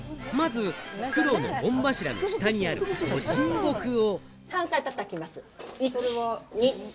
まずフクロウの御柱の下にある御神木を。